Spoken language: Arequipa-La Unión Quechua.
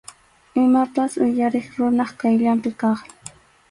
Imapas uyariq runap qayllanpi kaqmi.